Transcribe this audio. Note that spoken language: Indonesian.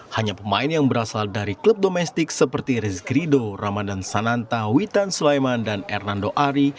hanya pemain yang berasal dari klub domestik seperti rizkrido ramadan sananta witan sulaiman dan hernando ari